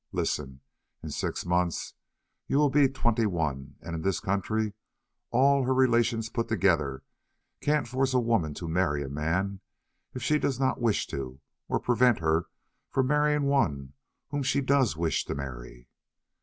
Listen: in six months you will be twenty one, and in this country all her relations put together can't force a woman to marry a man if she does not wish to, or prevent her from marrying one whom she does wish to marry.